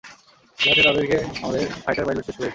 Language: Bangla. যাতে তাদেরকে আমাদের ফাইটার পাইলট শেষ করে দিতে পারে।